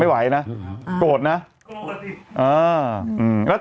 ไม่ไหวครับโครกกคริสติสิโรสเนอะไม่ไหวนะโรดนะ